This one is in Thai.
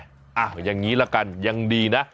อย่างนี้ละกันยังดีนะ